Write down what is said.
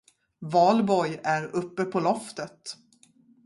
Valborg är uppe på loftet.